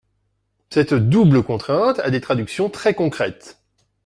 Cette double contrainte a des traductions très concrètes.